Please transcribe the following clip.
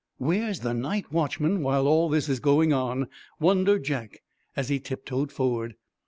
"Where's the night watchman while all this is going on?" wondered Jack as he tip toed forward.